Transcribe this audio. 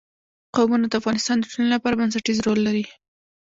قومونه د افغانستان د ټولنې لپاره بنسټيز رول لري.